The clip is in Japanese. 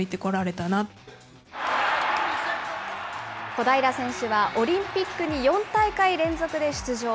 小平選手はオリンピックに４大会連続で出場。